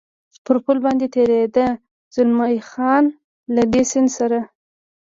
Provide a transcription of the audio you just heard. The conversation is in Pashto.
پر پل باندې تېرېده، زلمی خان: له دې سیند سره.